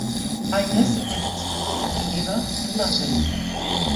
Agnes attended schools in Geneva and London.